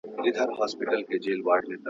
هر کار باید پر خپل ټاکلي وخت ترسره سي.